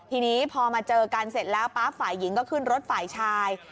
ทีนี้พอมาเจอกันเสร็จแล้วปั๊บฝ่ายหญิงก็ขึ้นรถฝ่ายชาย